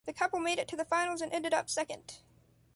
The couple made it to the finals and ended up second.